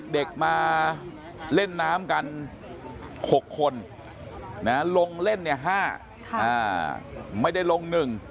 เด็กมาเล่นน้ำกัน๖คนลงเล่นเนี่ย๕ไม่ได้ลง๑